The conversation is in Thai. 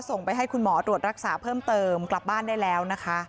ส่งไปให้คุณหมอตรวจรักษาเพิ่มเติมกลับบ้านได้แล้วนะคะ